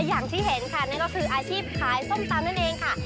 อย่างที่เห็นค่ะนั่นก็คืออาชีพขายส้มตำนั่นเองค่ะ